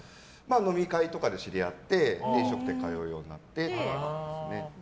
飲み会とかで知り合って飲食店に通うようになって。